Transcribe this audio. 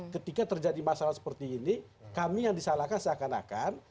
ketika terjadi masalah seperti ini kami yang disalahkan seakan akan